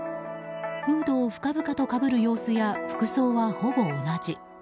フードを深々とかぶる様子や服装はほぼ同じ。